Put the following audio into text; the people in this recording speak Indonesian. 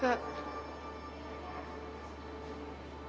ga tau kenapa